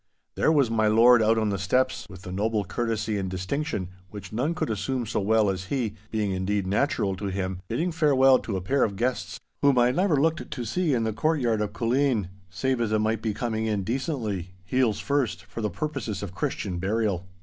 there was my lord out on the steps, with the noble courtesy and distinction which none could assume so well as he, being indeed natural to him, bidding farewell to a pair of guests whom I never looked to see in the courtyard of Culzean, save as it might be coming in decently, heels first, for the purposes of Christian burial.